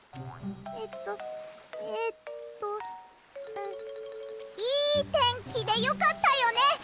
えっとええっとうっいいてんきでよかったよね！